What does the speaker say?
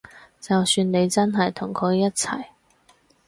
就算你真係同佢一齊